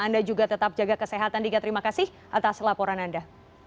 anda juga tetap jaga kesehatan dika terima kasih atas laporan anda